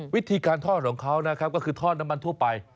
วิธีการทอดของเขานะครับก็คือทอดน้ำมันทั่วไป